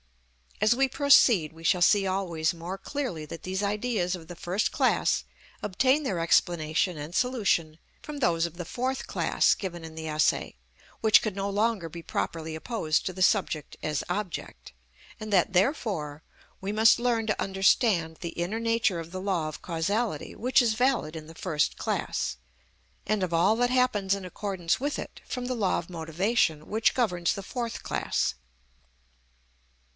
As we proceed we shall see always more clearly that these ideas of the first class obtain their explanation and solution from those of the fourth class given in the essay, which could no longer be properly opposed to the subject as object, and that, therefore, we must learn to understand the inner nature of the law of causality which is valid in the first class, and of all that happens in accordance with it from the law of motivation which governs the fourth class.